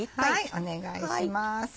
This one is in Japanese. お願いします。